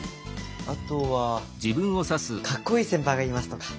あとは「かっこいい先輩がいます」とか。